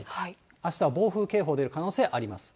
あしたは暴風警報出る可能性があります。